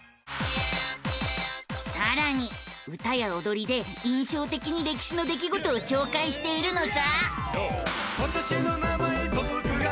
さらに歌やおどりで印象的に歴史の出来事を紹介しているのさ！